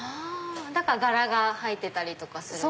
だから柄が入ってたりとかする。